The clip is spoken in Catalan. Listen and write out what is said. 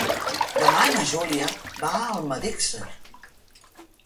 Demà na Júlia va a Almedíxer.